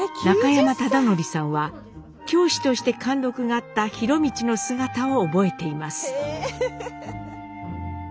中山忠範さんは教師として貫禄があった博通の姿を覚えています。